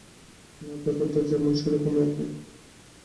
না, ব্যাপারটা যেমন সেরকমই, ওকে?